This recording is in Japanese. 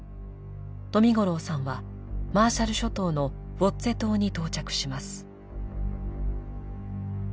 冨五郎さんはマーシャル諸島のウオッゼ島に到着します。